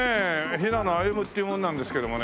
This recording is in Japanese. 平野歩夢っていう者なんですけどもね。